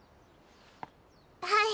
はい。